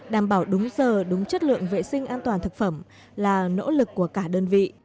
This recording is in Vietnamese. đảm bảo đúng giờ đúng chất lượng vệ sinh an toàn thực phẩm là nỗ lực của cả đơn vị